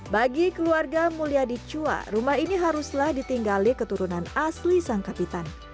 bagi keluarga mulyadi chua rumah ini haruslah ditinggali keturunan asli sang kapitan